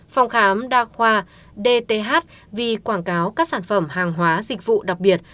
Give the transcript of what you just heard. phòng khám đa khoa dth vì quảng cáo các sản phẩm hàng hóa dịch vụ đặc biệt